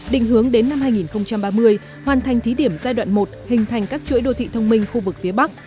định hướng đến năm hai nghìn ba mươi hoàn thành thí điểm giai đoạn một hình thành các chuỗi đô thị thông minh khu vực phía bắc